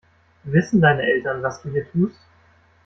Wissen deine Eltern, was du hier tust?